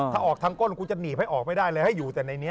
ถ้าออกทางก้นกูจะหนีบให้ออกไม่ได้เลยให้อยู่แต่ในนี้